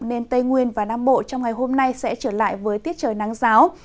nên tây nguyên và nam bộ trong ngày hôm nay sẽ trở lại với tiết trời nắng giáo